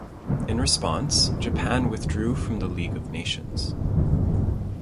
In response Japan withdrew from the League of Nations.